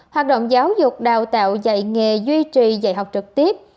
hoạt động giáo dục đào tạo dạy nghề duy trì dạy học trực tiếp